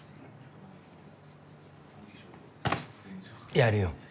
やるよ。